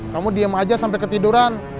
kamu diem aja sampai ketiduran